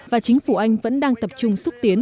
và chính phủ anh vẫn đang tập trung xúc tiến